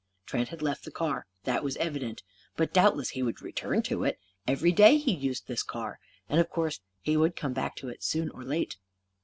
Trent had left the car. That was evident. But doubtless he would return to it. Every day he used this car. And, of course, he would come back to it, soon or late.